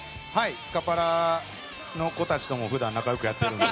スカパラの子たちとも普段仲良くやっているので。